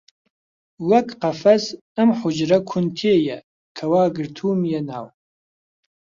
وەک قەفەس ئەم حوجرە کون تێیە کە وا گرتوومیە ناو